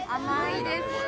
甘いです。